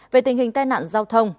về tình hình tai nạn giao thông